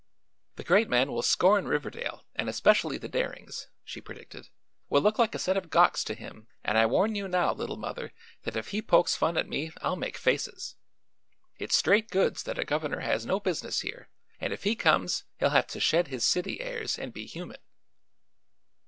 "The Great Man will scorn Riverdale, and especially the Darings," she predicted. "We'll look like a set of gawks to him and I warn you now, Little Mother, that if he pokes fun at me I'll make faces. It's straight goods that a governor has no business here, and if he comes he'll have to shed his city airs and be human."